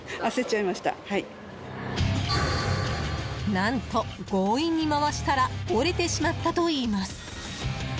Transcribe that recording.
何と、強引に回したら折れてしまったといいます。